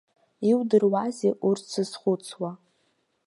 Иудыруазеи урҭ зызхәыцуа.